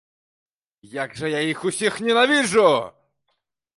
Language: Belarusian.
Як жа я іх усіх ненавіджу!